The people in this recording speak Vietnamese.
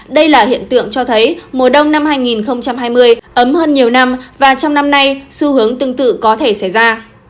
đây là hiện tượng cho thấy mùa đông năm hai nghìn hai mươi ấm hơn nhiều năm và trong năm nay xu hướng tương tự có thể xảy ra